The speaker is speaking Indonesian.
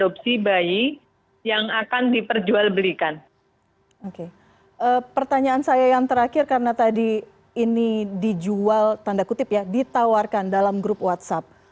pertanyaan saya yang terakhir karena tadi ini dijual tanda kutip ya ditawarkan dalam grup whatsapp